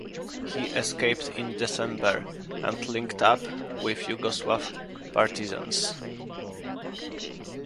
He escaped in December and linked up with Yugoslav partisans.